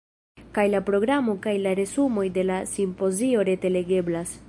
Kaj la programo kaj la resumoj de la simpozio rete legeblas.